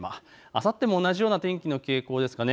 あさっても同じような天気の傾向です。